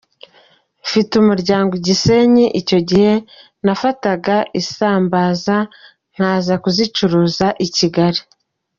Mfite umuryango i Gisenyi, icyo gihe nafataga isambaza nkaza kuzicuruza i Kigali.